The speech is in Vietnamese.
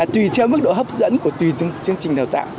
tùy theo mức độ hấp dẫn của tùy chương trình đào tạo